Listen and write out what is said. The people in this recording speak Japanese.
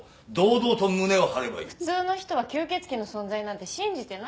普通の人は吸血鬼の存在なんて信じてないから。